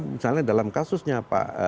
misalnya dalam kasusnya pak